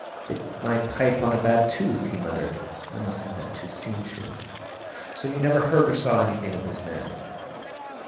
"Bit my pipe on a bad tooth!" he muttered. "I must have that tooth seen to. So you never heard or saw anything of this man?"